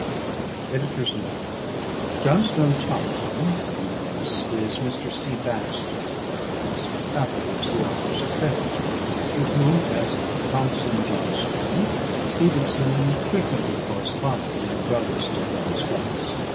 [_"Johnstone Thomson, W.S.," is Mr. C. Baxter, W.S. (afterwards the author's executor), with whom, as "Thomson Johnstone," Stevenson frequently corresponded in the broadest of broad Scots.